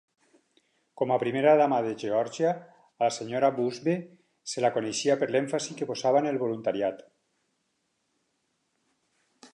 Com a primera dama de Geòrgia, a la Sra. Busbee se la coneixia per l'èmfasi que posava en el voluntariat.